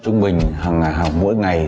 chúng mình hằng ngày hằng mỗi ngày